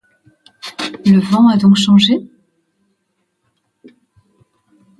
Le vent a donc changé?